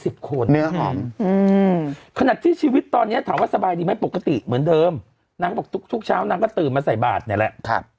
ขนาดที่ชีวิตตอนนี้ถามว่าสบายดีไหมปกติเหมือนเดิมนางก็บอกทุกเช้านางก็ตื่นมาใส่บาทเนี่ยแหละ